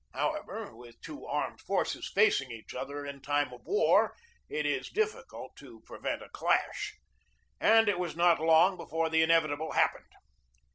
However, with two armed forces facing each other 270 GEORGE DEWEY in time of war it is difficult to prevent a clash; and it was not long before the inevitable happened.